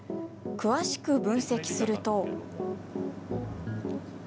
詳しく分析すると。